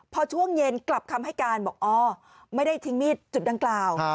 พอช่วงเย็นกลับคำให้การบอกอ๋อไม่ได้ทิ้งมีดจุดดังกล่าว